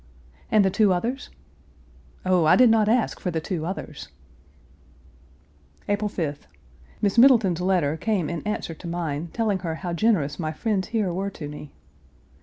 "And the two others?" "Oh, I did not ask for the two others!" April 5th. Miss Middleton's letter came in answer to mine, telling her how generous my friends here were to me.